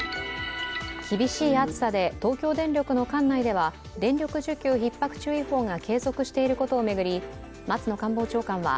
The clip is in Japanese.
厳しい暑さで東京電力の管内では電力需給ひっ迫注意報が継続していることを巡り、松野官房長官は